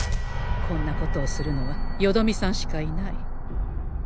こんなことをするのはよどみさんしかいない。